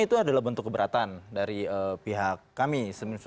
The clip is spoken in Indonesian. itu adalah bentuk keberatan dari pihak kami